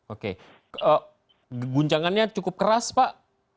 oke guncangannya cukup keras pak